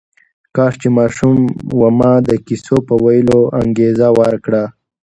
کله چې ماشوم و ما د کیسو په ویلو انګېزه ورکړه